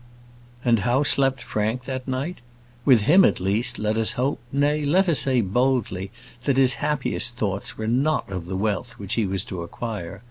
And how slept Frank that night? With him, at least, let us hope, nay, let us say boldly, that his happiest thoughts were not of the wealth which he was to acquire.